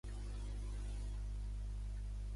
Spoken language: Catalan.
El canal de Trent i Mersey Canal travessa Rode Heath.